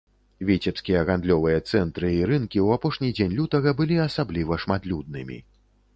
Віцебскія гандлёвыя цэнтры і рынкі ў апошні дзень лютага былі асабліва шматлюднымі.